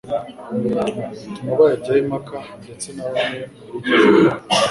bituma bayajyaho impaka. Ndetse na bamwe mu bigishwa be